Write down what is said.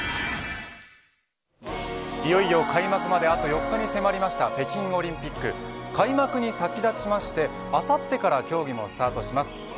いよいよ開幕まであと４日に迫りました北京オリンピック開幕に先立ちましてあさってから競技もスタートします。